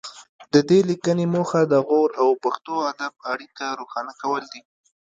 د دې لیکنې موخه د غور او پښتو ادب اړیکه روښانه کول دي